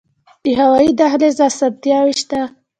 د هوایی دهلیز اسانتیاوې شته؟